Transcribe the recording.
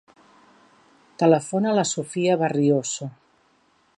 Telefona a la Sophia Barriuso.